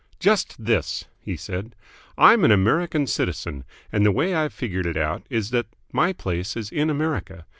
"Just this!" he said. "I'm an American citizen, and the way I've figured it out is that my place is in America.